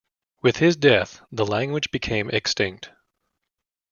With his death, the language became extinct.